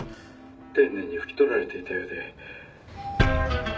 丁寧に拭き取られていたようで。